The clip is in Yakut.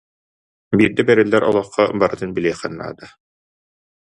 Биирдэ бэриллэр олоххо барытын билиэххин наада.